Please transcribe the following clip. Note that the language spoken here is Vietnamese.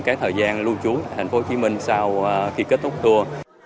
cái thời gian lưu trú tại tp hcm sau khi kết thúc tour